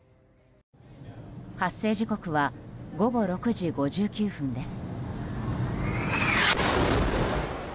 発生時刻は午後６時５９分です。